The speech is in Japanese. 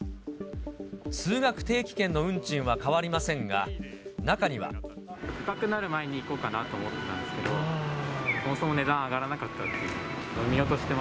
通学定期券の運賃は変わりま高くなる前に行こうかなと思ってたんですけど、そもそも値段上がらなかったっていう。